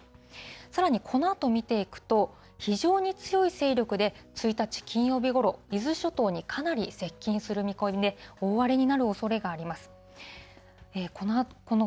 さらにこのあと見ていくと、非常に強い勢力で、１日・金曜日ごろ、伊豆諸島にかなり接近する見込みで、大荒れになるおそれがあります。